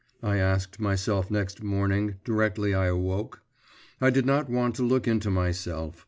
I asked myself next morning, directly I awoke. I did not want to look into myself.